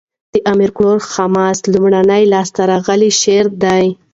د امیر کروړ حماسه؛ لومړنی لاس ته راغلی شعر دﺉ.